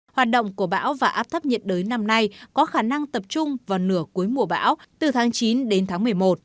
hoạt động của bão và áp thấp nhiệt đới năm nay có khả năng tập trung vào nửa cuối mùa bão từ tháng chín đến tháng một mươi một